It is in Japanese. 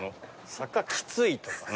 「坂きつい」とか。